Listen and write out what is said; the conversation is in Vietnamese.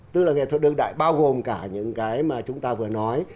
tức là nghệ thuật đương đại bao gồm cả những cái mà chúng ta vừa nói